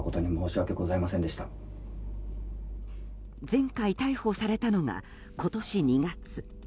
前回逮捕されたのは今年２月。